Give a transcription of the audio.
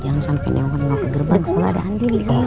jangan sampai nino mau ke gerbang soalnya ada andin di sono